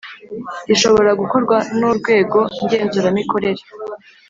rishobora gukorwa nu rwego ngenzuramikorere